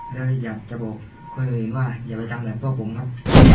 และอยากจะบอกคนอื่นว่าอย่าไปทำแบบพ่อผมครับ